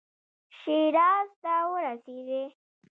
شیراز ته ورسېدی.